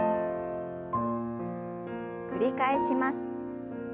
繰り返します。